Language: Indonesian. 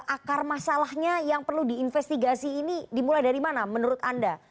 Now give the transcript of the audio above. akar masalahnya yang perlu diinvestigasi ini dimulai dari mana menurut anda